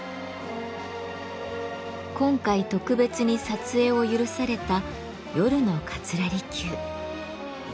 今回特別に撮影を許された夜の桂離宮。